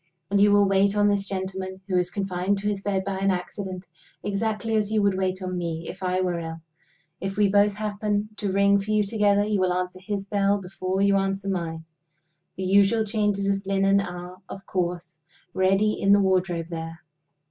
"And you will wait on this gentleman, who is confined to his bed by an accident, exactly as you would wait on me if I were ill. If we both happen to ring for you together, you will answer his bell before you answer mine. The usual changes of linen are, of course, ready in the wardrobe there?